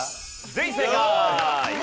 全員正解！